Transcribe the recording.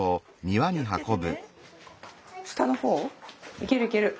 いけるいける。